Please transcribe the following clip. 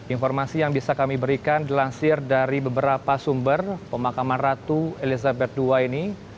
informasi yang bisa kami berikan dilansir dari beberapa sumber pemakaman ratu elizabeth ii ini